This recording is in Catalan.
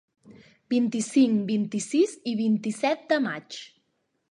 Vint-i-cinc, vint-i-sis i vint-i-set de maig.